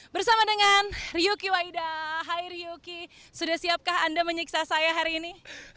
bersama dengan ryuki waida hai ryuki sudah siapkah anda menyiksa saya hari ini